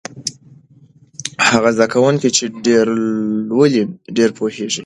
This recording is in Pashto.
هغه زده کوونکی چې ډېر لولي ډېر پوهېږي.